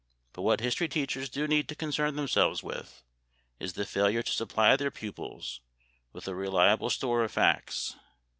But what history teachers do need to concern themselves with is the failure to supply their pupils with a reliable store of facts.